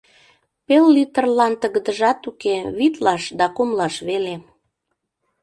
Пел литрлан тыгыдыжат уке: витлаш да кумлаш веле.